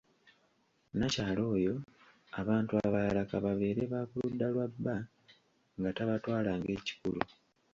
Nnakyala oyo abantu abalala ka babeere ba ku ludda lwa bba nga tabatwala ng'ekikulu.